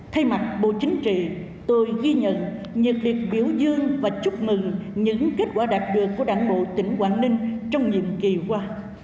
thay mặt bộ chính trị tôi ghi nhận nhiệt liệt biểu dương và chúc mừng những kết quả đạt được của đảng bộ tỉnh quảng ninh trong nhiệm kỳ qua